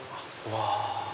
うわ。